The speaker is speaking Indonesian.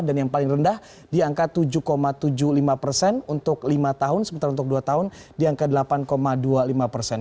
dan yang paling rendah di angka tujuh tujuh puluh lima persen untuk lima tahun sementara untuk dua tahun di angka delapan dua puluh lima persen